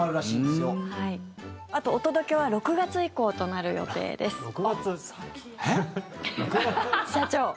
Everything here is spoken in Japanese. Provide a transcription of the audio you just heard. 社長、お届けは６月以降となる予定です。